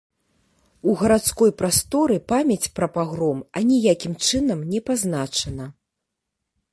У гарадской прасторы памяць пра пагром аніякім чынам не пазначана.